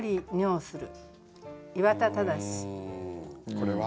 これは？